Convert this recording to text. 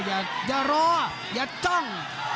อย่ารออย่าจ้อง